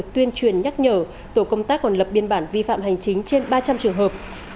tuyên truyền nhắc nhở tổ công tác còn lập biên bản vi phạm hành chính trên ba trăm linh trường hợp